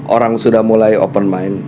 orang sudah mulai open mind